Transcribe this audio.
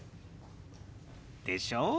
でしょ？